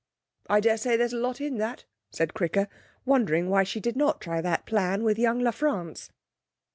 'I daresay there's a lot in that,' said Cricker, wondering why she did not try that plan with young La France.